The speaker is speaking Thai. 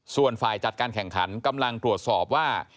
ส่วนฝ่ายจัดการแข่งขันกำลังตรวจสอบว่า